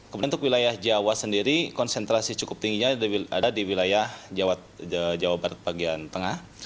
kemudian untuk wilayah jawa sendiri konsentrasi cukup tingginya ada di wilayah jawa barat bagian tengah